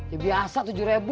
ya biasa tujuh ribu